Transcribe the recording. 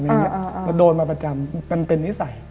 เราโดนมาประจำมันเป็นนิสัย